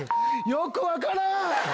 よく分からん。